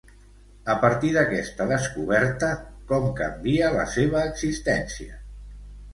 A partir d'aquesta descoberta, com canvia la seva existència?